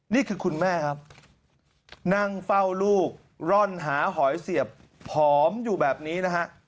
นี่คือคุณแม่ครับนั่งเฝ้าลูกร่อนหาหอยเสียบผอมอยู่แบบนี้นะฮะ